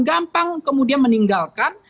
gampang kemudian meninggalkan